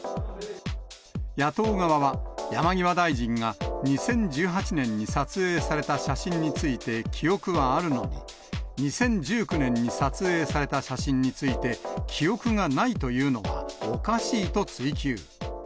野党側は、山際大臣が２０１８年に撮影された写真について、記憶はあるのに、２０１９年に撮影された写真について記憶がないというのはおかしいと追及。